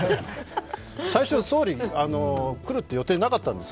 最初、総理が来るという予定はなかったんです。